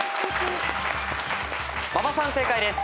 馬場さん正解です。